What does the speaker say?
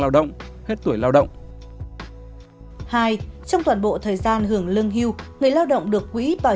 lao động hết tuổi lao động hai trong toàn bộ thời gian hưởng lương hưu người lao động được quỹ bảo